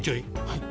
はい。